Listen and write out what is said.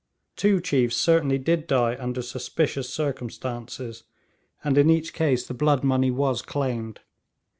Two chiefs certainly did die under suspicious circumstances, and in each case the blood money was claimed.